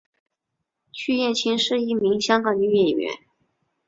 区燕青是一名香港女演员。